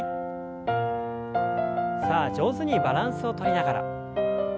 さあ上手にバランスをとりながら。